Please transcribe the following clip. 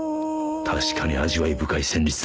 確かに味わい深い旋律だ